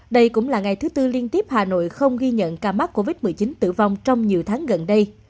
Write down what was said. đây cũng là ngày thứ tư liên tiếp hà nội không ghi nhận ca mắc covid một mươi chín tử vong trong nhiều tháng gần đây